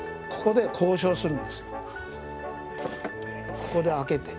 ここで開けて。